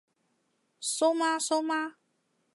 蘇媽蘇媽？